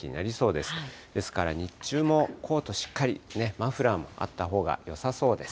ですから日中も、コートしっかり、マフラーもあったほうがよさそうです。